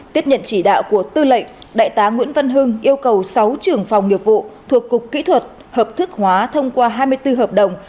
tiếp nhận chỉ đạo của tư lệnh đại tá nguyễn văn hưng yêu cầu sáu trưởng phòng nghiệp vụ thuộc cục kỹ thuật hợp thức hóa thông qua hai mươi bốn hợp đồng